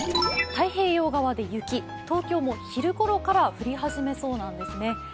太平洋側で雪、東京も昼ごろから降り始めそうなんですね。